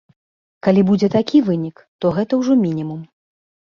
Калі будзе такі вынік, то гэта ўжо мінімум.